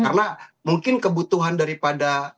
karena mungkin kebutuhan daripada lembaga lain